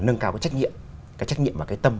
nâng cao cái trách nhiệm và cái tâm